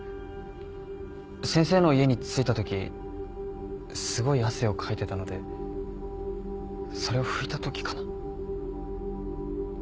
先生の家に着いたときすごい汗をかいてたのでそれを拭いたときかな。